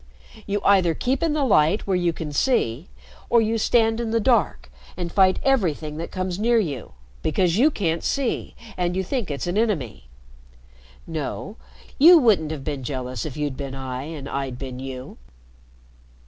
You either keep in the light where you can see, or you stand in the dark and fight everything that comes near you, because you can't see and you think it's an enemy. No, you wouldn't have been jealous if you'd been I and I'd been you."